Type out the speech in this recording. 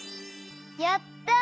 やった！